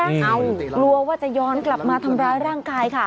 เอากลัวว่าจะย้อนกลับมาทำร้ายร่างกายค่ะ